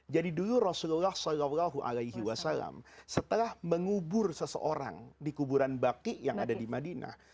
jadi dulu rasulullah saw setelah mengubur seseorang di kuburan baki yang ada di madinah